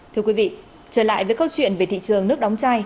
thưa quý vị trở lại với câu chuyện về thị trường nước đóng chai